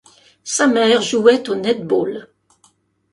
Sa mère jouait au netball.